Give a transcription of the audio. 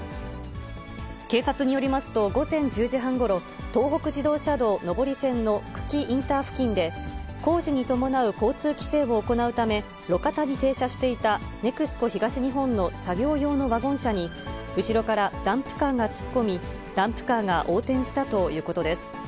警察によりますと午前１０時半ごろ、東北自動車道上り線の久喜インター付近で、工事に伴う交通規制を行うため、路肩に停車していたネクスコ東日本の作業用のワゴン車に、後ろからダンプカーが突っ込み、ダンプカーが横転したということです。